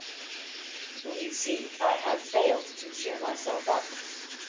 You see, I have failed to cheer myself up.